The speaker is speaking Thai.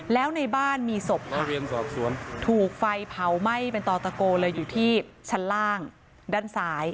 แล้วในบ้านมีศพถูกไฟเผาไม่เป็นตอนระโกเลยอยู่ที่้างด้านซ้าย